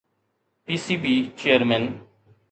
P C B chairman